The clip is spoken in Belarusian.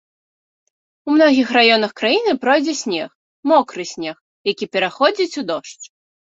У многіх раёнах краіны пройдзе снег, мокры снег, які пераходзіць у дождж.